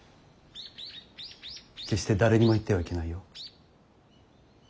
決して誰にも言ってはいけないよ。